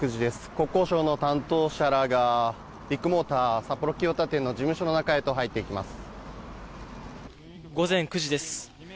国交省の担当者らがビッグモーター札幌清田店の事務所の中へと入っていきます。